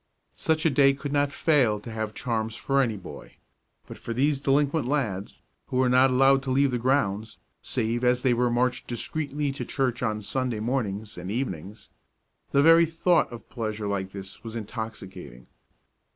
Such a day could not fail to have charms for any boy; but for these delinquent lads, who were not allowed to leave the grounds, save as they were marched discreetly to church on Sunday mornings and evenings, the very thought of pleasure like this was intoxicating.